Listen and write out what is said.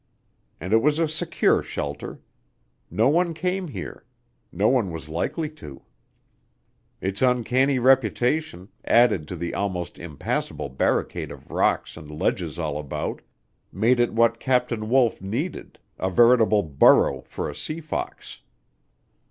And it was a secure shelter. No one came here; no one was likely to. Its uncanny reputation, added to the almost impassable barricade of rocks and ledges all about, made it what Captain Wolf needed a veritable burrow for a sea fox.